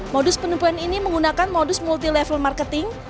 modus penipuan ini menggunakan modus multi level marketing